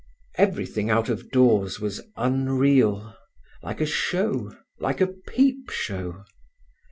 Everything out of doors was unreal, like a show, like a peepshow.